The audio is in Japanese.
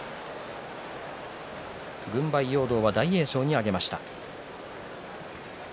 容堂は大栄翔に上げました。